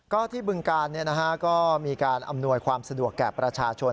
ก็ที่บึงการก็มีการอำนวยความสะดวกแก่ประชาชน